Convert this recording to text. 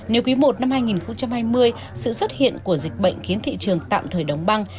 nếu quý i năm hai nghìn hai mươi sự xuất hiện của dịch bệnh khiến thị trường tạm thời đóng băng